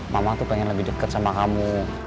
mama tuh pengen lebih dekat sama kamu